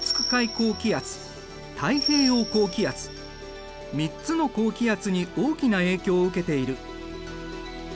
高気圧太平洋高気圧３つの高気圧に大きな影響を受けている。